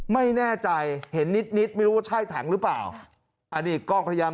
ไม่แน่ใจเห็นนิดด้วยว่าถ่ายถังนึกเปล่าอันนี้กล้องกระทยาม